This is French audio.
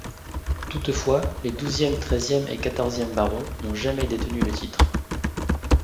Toutefois les douzième, treizième et quatorzième barons n'ont jamais détenu le titre.